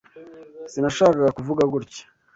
Sinashakaga kuvuga gutya